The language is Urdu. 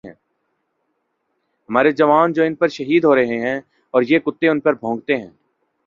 ہمارے جوان اے دن شہید ہو رہے ہیں اور یہ کتے ان پر بھونکتے ہیں